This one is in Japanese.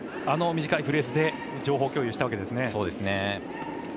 あの短いフレーズで情報共有したわけですね。